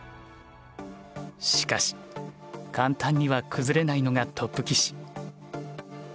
しかし簡単には崩れないのがトップ棋士。